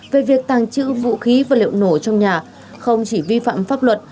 về việc tàng chữ vũ khí và liệu nổ trong nhà không chỉ vi phạm pháp luật